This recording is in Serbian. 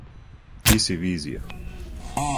Ти си визија.